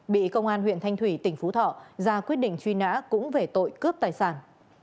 bị công an huyện thanh thủy tỉnh phú thọ ra quyết định truy nã cũng về tội cướp tài sản